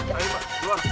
ayo ma keluar